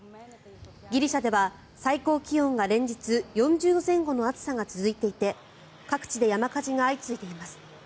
ギリシャでは、最高気温が連日４０度前後の暑さが続いていて各地で山火事が相次いでいます。